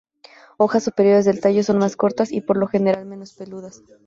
Hojas superiores del tallo son más cortas y por lo general menos peludas.